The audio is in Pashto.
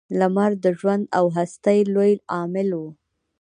• لمر د ژوند او هستۍ لوی عامل و.